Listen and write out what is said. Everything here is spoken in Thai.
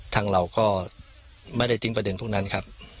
ทางเราก็ไม่ได้ทิ้งประเด็นพวกนั้นครับ